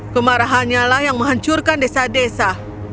kemarahannya lah yang menghancurkan desa desa